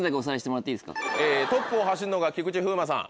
トップを走るのが菊池風磨さん